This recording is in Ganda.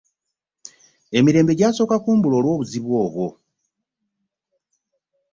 Emirembe gyasooka kumbula olw'obuzibu obwo.